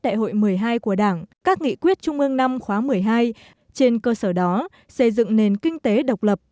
đại hội một mươi hai của đảng các nghị quyết trung ương năm khóa một mươi hai trên cơ sở đó xây dựng nền kinh tế độc lập